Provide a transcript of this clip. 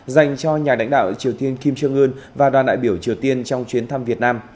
dành cho nhà lãnh đạo triều tiên kim trương ưn và đoàn đại biểu triều tiên trong chuyến thăm việt nam